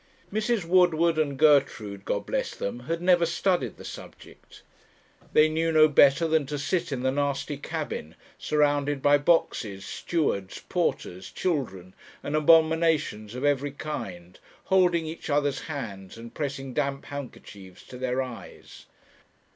Mrs. Woodward and Gertrude God bless them! had never studied the subject. They knew no better than to sit in the nasty cabin, surrounded by boxes, stewards, porters, children, and abominations of every kind, holding each other's hands, and pressing damp handkerchiefs to their eyes.